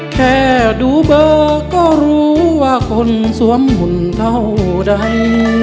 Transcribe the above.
แค่ดูเบอร์ก็รู้ว่าคนสวมหุ่นเท่าใด